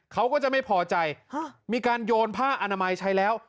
เขาก็จะไม่พอใจมีการโยนผ้าอนามัยใช้แล้ว